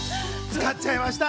使っちゃいました！